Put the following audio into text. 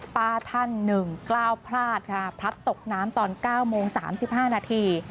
ป้าท่านหนึ่งกล้าวพลาดค่ะพลัดตกน้ำตอน๙โมง๓๕นาที